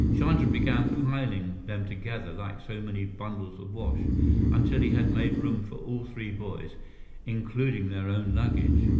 Chandra began piling them together like so many bundles of wash, until he had made room for all three boys, including their own luggage.